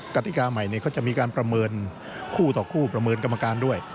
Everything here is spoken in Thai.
กติกาใหม่เขาจะมีการประเมินคู่ต่อคู่ประเมินกรรมการด้วย